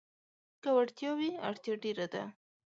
که وړتيا وي، اړتيا ډېره ده.